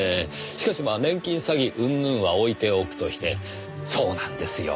しかし年金詐欺うんぬんは置いておくとしてそうなんですよ。